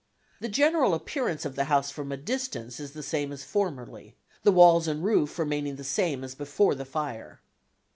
(The general appearance of the house from a distance is the same as formerly, the walls and roof remaining the same as before the fire.)